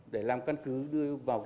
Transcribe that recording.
để làm căn cứ đưa vào